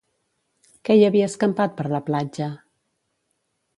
Que hi havia escampat per la platja?